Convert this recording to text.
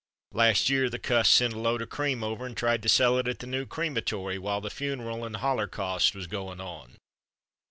Last year the cuss sent a load of cream over and tried to sell it at the new creamatory while the funeral and hollercost was goin' on.